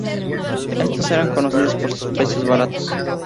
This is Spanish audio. Estos eran conocidos por sus precios baratos.